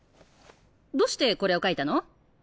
どうしてこれを描いたの？